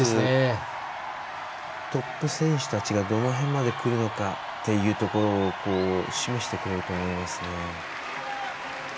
トップ選手たちが、どの辺までくるのかというところを示してくれると思いますね。